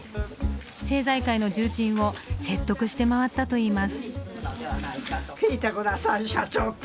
政財界の重鎮を説得して回ったといいます。